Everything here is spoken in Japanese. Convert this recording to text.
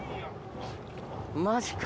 マジか。